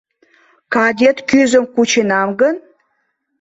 Кадет кӱзым кученам гын?